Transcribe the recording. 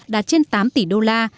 đạt trên tám tỷ đô la